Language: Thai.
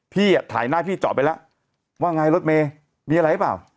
พี่ถ่ายหน้าพี่เจาะไปแล้วว่าไงรถเมย์มีอะไรหรือเปล่า